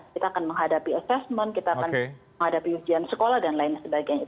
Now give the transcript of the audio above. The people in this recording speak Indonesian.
kita akan menghadapi assessment kita akan menghadapi ujian sekolah dan lain sebagainya